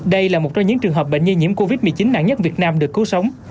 đây là một trong những trường hợp bệnh nhi nhiễm covid một mươi chín nặng nhất việt nam được cứu sống